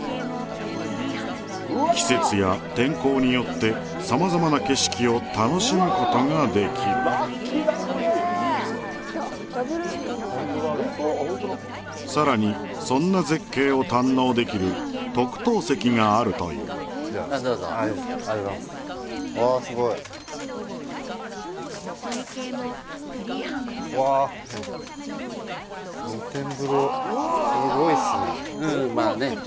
季節や天候によってさまざまな景色を楽しむことができるさらにそんな絶景を堪能できる特等席があるというありがとうございますわすごいっすね